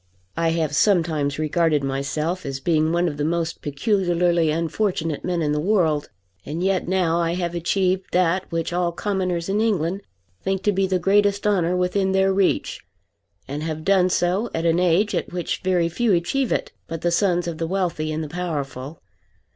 I have sometimes regarded myself as being one of the most peculiarly unfortunate men in the world, and yet now I have achieved that which all commoners in England think to be the greatest honour within their reach, and have done so at an age at which very few achieve it but the sons of the wealthy and the powerful.